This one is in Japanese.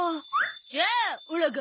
じゃあオラが。